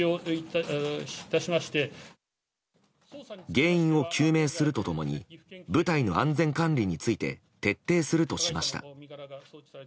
原因を究明すると共に部隊の安全管理について徹底するとしました。